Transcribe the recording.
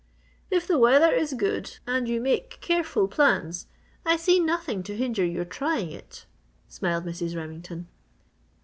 "If the weather is good and you make careful plans I see nothing to hinder your trying it," smiled Mrs. Remington.